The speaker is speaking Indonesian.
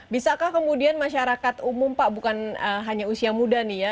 bisakah kemudian masyarakat umum pak bukan hanya usia muda nih ya